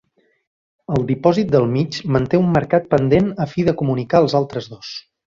El dipòsit del mig manté un marcat pendent a fi de comunicar els altres dos.